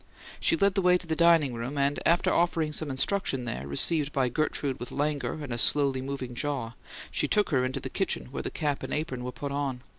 She led the way to the dining room, and, after offering some instruction there, received by Gertrude with languor and a slowly moving jaw, she took her into the kitchen, where the cap and apron were put on.